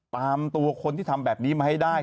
ตามตัวคนที่ทำแบบนี้มาให้ได้